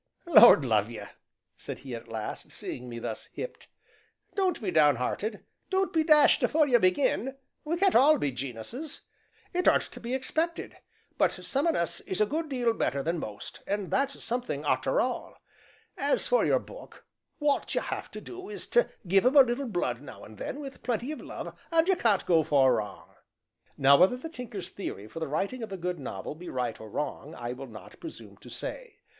"Lord love you!" said he at last, seeing me thus "hipped" "don't be downhearted don't be dashed afore you begin; we can't all be gen'uses it aren't to be expected, but some on us is a good deal better than most and that's something arter all. As for your book, wot you have to do is to give 'em a little blood now and then with plenty of love and you can't go far wrong!" Now whether the Tinker's theory for the writing of a good novel be right or wrong, I will not presume to say.